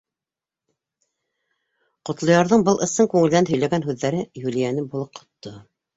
Ҡотлоярҙың был ысын күңелдән һөйләгән һүҙҙәре Юлияны болоҡһотто.